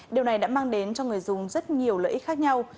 điều này đã mang đến cho người dùng rất nhiều lợi ích khác nhau